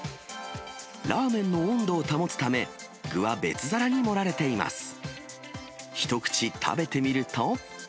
ラーメンの温度を保つため、具は別皿に盛られています。